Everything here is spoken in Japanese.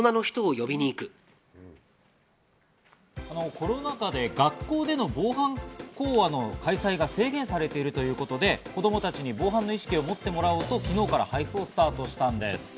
コロナ禍で学校での防犯講話の開催が制限されているということで子供たちに防犯の意識を持ってもらおうと昨日から配布をスタートしたんです。